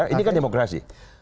ini kan demokrasi